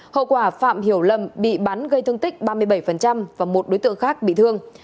hậu quả phạm hiểu lầm bị bắn gây thương tích ba mươi bảy và một đối tượng khác bị thương